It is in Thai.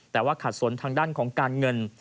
แต่ว่าขัดสนทางด้านของการเงิน